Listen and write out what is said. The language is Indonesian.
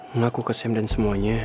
mengaku ke sam dan semuanya